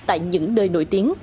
tại những nơi nổi tiếng